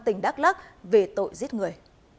tỉnh đắk lắc về tội giết người